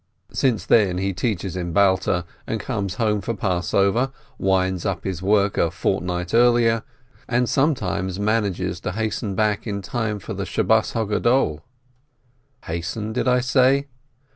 Since then he teaches in Balta, and comes home for Passover, winds up his work a fortnight earlier, and sometimes manages to hasten back in time for the Great Sabbath. Hasten, did I say?